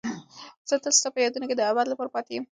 زه تل ستا په یادونو کې د ابد لپاره پاتې یم.